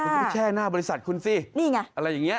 มันก็แช่หน้าบริษัทคุณสิอะไรอย่างนี้นี่ไง